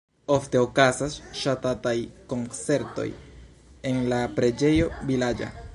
Ofte okazas ŝatataj koncertoj en la preĝejo vilaĝa.